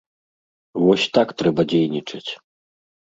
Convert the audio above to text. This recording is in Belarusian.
Вось так трэба дзейнічаць.